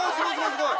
すごい！